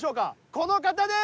この方です！